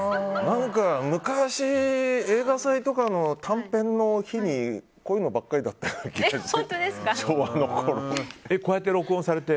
何か昔映画祭とかの短編の日にこういうのばっかりだったような気がして。